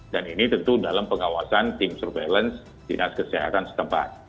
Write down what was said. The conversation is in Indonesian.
dan ini tentu dalam pengawasan tim surveillance dinas kesehatan setempat